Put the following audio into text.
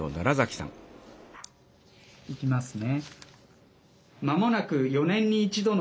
いきますね。